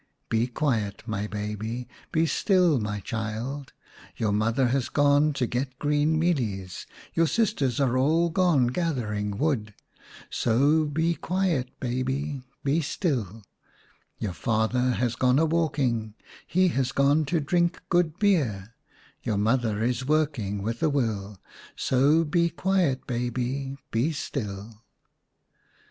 " Be quiet, my baby ; Be still, my child ; Your mother has gone to get green mealies, Your sisters are all gone gathering wood, So be quiet, baby, be still Your father has gone a walking, He has gone to drink good beer, Your mother is working with a will, So be quiet, baby, be still."